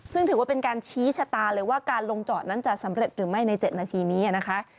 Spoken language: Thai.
ซึ่งถือว่าเป็นการชี้ชะตาเลยว่าการลงจอดนั้นจะสำเร็จหรือไม่ใน๗นาทีนี้นะคะ